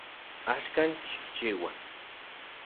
Axkan xikchiua